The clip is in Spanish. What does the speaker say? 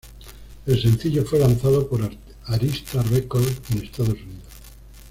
El sencillo fue lanzado por Arista Records en Estados Unidos.